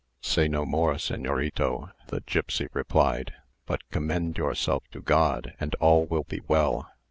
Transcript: "Say no more, señorito," the gipsy replied; "but commend yourself to God, and all will be well.